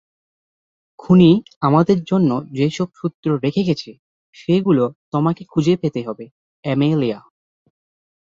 খুনি আমাদের জন্য যেসব সূত্র রেখে গেছে সেগুলো তোমাকে খুঁজে পেতে হবে, অ্যামেলিয়া।